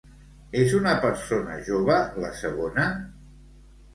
És una persona jove, la segona?